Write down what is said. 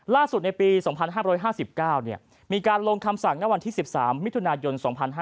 ในปี๒๕๕๙มีการลงคำสั่งณวันที่๑๓มิถุนายน๒๕๕๙